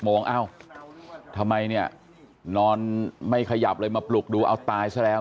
โมงเอ้าทำไมเนี่ยนอนไม่ขยับเลยมาปลุกดูเอาตายซะแล้ว